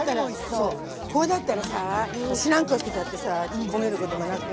これだったらさぁ知らん顔してたってさ焦げることもなくね。